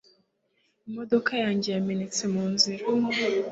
Imodoka yanjye yamenetse mu nzira